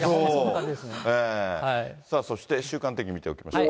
そして週間天気見ておきましょうか。